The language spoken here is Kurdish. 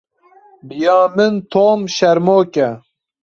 Bi ya min Tom şermok e.